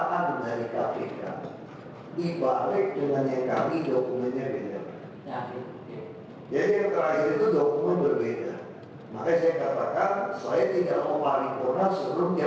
nanti saya akan ditanya dari orang kenapa anda setuju rp satu juta